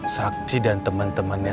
sakti dan teman temannya